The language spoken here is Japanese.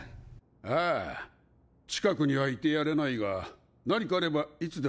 ああ近くには居てやれないが何かあればいつでも相談乗るぞ。